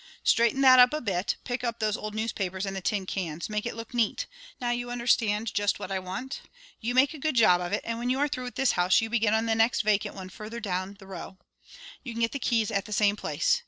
"Straighten that up a bit, pick up those old newspapers and the tin cans. Make it look neat. Now you understand just what I want? You make a good job of it, and when you are through with this house, you begin on the next vacant one farther down the row. You can get the keys at the same place.